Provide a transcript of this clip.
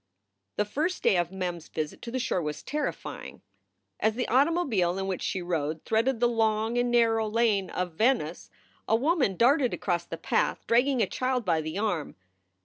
The first day of Mem s visit to the shore was terrifying. As the automobile in which she rode threaded the long and narrow lane of Venice, a woman darted across the path, dragging a child by the arm.